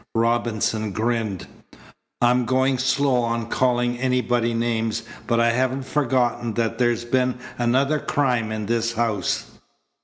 Robinson grinned. "I'm going slow on calling anybody names, but I haven't forgotten that there's been another crime in this house.